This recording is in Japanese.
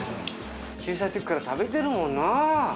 小さいときから食べてるもんな。